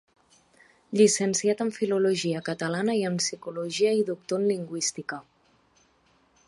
Llicenciat en filologia catalana i en psicologia i doctor en lingüística.